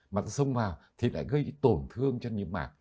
mà nó sông vào thì lại gây tổn thương cho những mạng